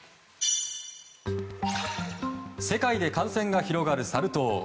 世界で感染が広がるサル痘。